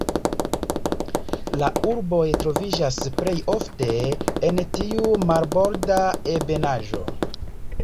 La urboj troviĝas plej ofte en tiu marborda ebenaĵo.